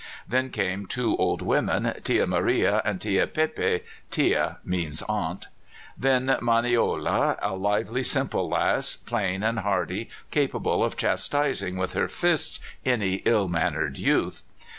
Then come two old women, Tia Maria and Tia Pepa "tia" means "aunt"); then Manoela, a lively, simple lass, plain and hardy, capable of chastising with her fists any ill mannered youth.